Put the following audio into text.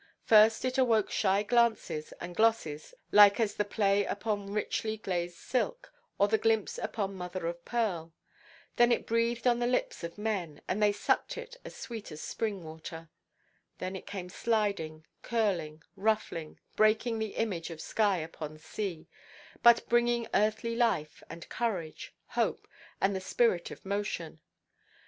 First it awoke shy glances and glosses, light as the play upon richly–glazed silk, or the glimpse upon mother–of–pearl. Then it breathed on the lips of men, and they sucked at it as at spring–water. Then it came sliding, curling, ruffling, breaking the image of sky upon sea, but bringing earthly life and courage, hope, and the spirit of motion.